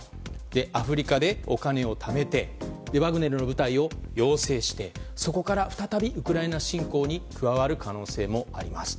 アフリカでお金をためてワグネルの部隊を養成してそこから再びウクライナ侵攻に加わる可能性もありますと。